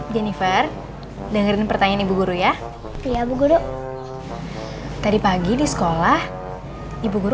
jennifer dengerin pertanyaan ibu guru ya pilih aku guru tadi pagi di sekolah ibu guru